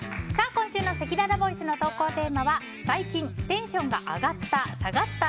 今週のせきららボイスの投稿テーマは最近テンションが上がった＆